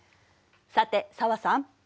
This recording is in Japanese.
さて紗和さん。